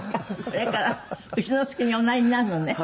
これから丑之助におなりになるのね」